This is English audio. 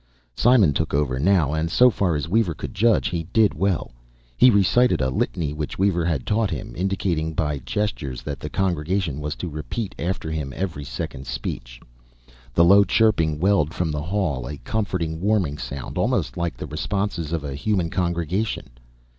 Simon took over now, and so far as Weaver could judge, he did well. He recited a litany which Weaver had taught him, indicating by gestures that the congregation was to repeat after him every second speech. The low chirping welled from the hall; a comforting, warming sound, almost like the responses of a human congregation.